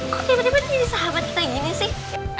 kok tiba tiba jadi sahabat kita gini sih